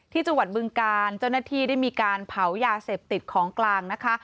ที่จังหวัดบึงการเจ้าหน้าที่ได้มีการเผายาเสพติดของกลางนะคะ